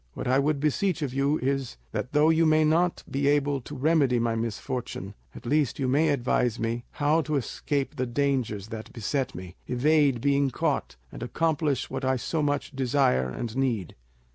What I would beseech of you is, that though you may not be able to remedy my misfortune, at least you may advise me how to escape the dangers that beset me, evade being caught, and accomplish what I so much desire and need."